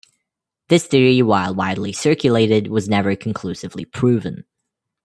This theory, while widely circulated, was never conclusively proven.